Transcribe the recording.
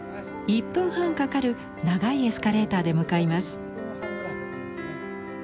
１分半かかる長いエスカレーターで向かいます。